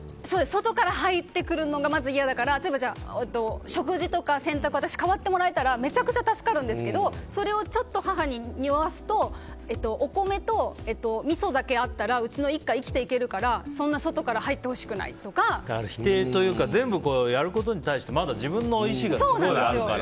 外から入ってくるのがまず嫌だから、例えば食事とか洗濯私、代わってもらったらめちゃくちゃ助かるんですけどそれをちょっと母ににおわせるとお米とみそだけあったらうちの一家生きていけるからそんな否定というか全部やることに対してまだ自分の意思があるから。